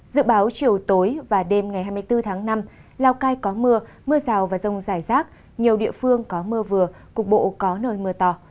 dự báo chiều tối và đêm ngày hai mươi bốn tháng năm lào cai có mưa mưa rào và rông rải rác nhiều địa phương có mưa vừa cục bộ có nơi mưa to